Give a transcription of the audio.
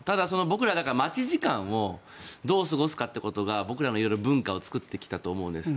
僕ら、待ち時間をどう過ごすかということが僕らの文化を作ってきたと思うんです。